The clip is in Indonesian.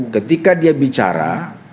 ketika dia bicara